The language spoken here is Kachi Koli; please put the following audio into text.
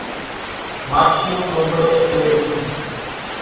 ماڇِيوُن ٻڻٻڻيَ سي ريون۔